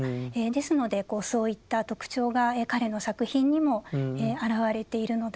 ですのでそういった特徴が彼の作品にもあらわれているのだと思います。